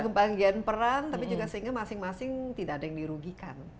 kebahagiaan peran tapi juga sehingga masing masing tidak ada yang dirugikan